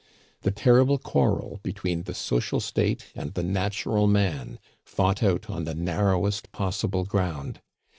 The terrible quarrel between the social state and the natural man, fought out on the narrowest possible ground!